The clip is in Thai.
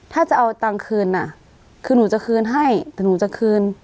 ถ้าจะเอาตังค์คืนน่ะคือหนูจะคืนให้แต่หนูจะคืน